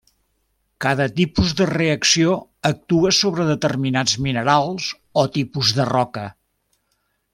Cada tipus de reacció actua sobre determinats minerals o tipus de roca.